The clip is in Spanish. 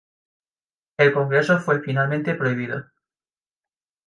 El congreso fue finalmente prohibido.